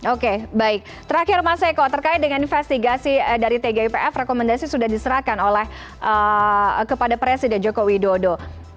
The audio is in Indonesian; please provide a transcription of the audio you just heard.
oke baik terakhir mas eko terkait dengan investigasi dari tgipf rekomendasi sudah diserahkan kepada presiden joko widodo